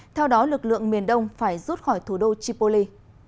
theo đó lực lượng miền đông phải rút khỏi thủ đô tripoli